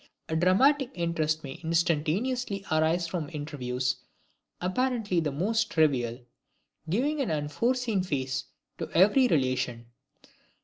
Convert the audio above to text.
A dramatic interest may instantaneously arise from interviews apparently the most trivial, giving an unforeseen phase to every relation.